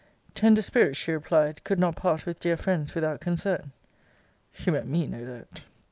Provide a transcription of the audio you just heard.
'Tender spirits, she replied, could not part with dear friends without concern.' She meant me, no doubt.